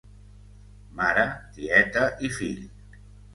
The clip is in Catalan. Mare, tieta i fill.